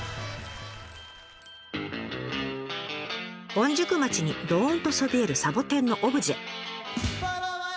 御宿町にドンとそびえるサボテンのオブジェ。